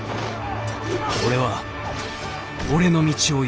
俺は俺の道を行く。